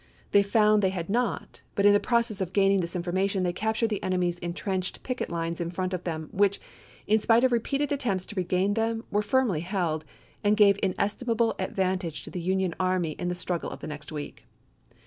They found they had not ; but in the process of gaining this information they captured the enemy's intrenched picket lines in front of them, which, in spite of re peated attempts to regain them, were firmly held, and gave inestimable advantage to the Union army 164 ABKAHAM LINCOLN chap viii. in the struggle of the next week.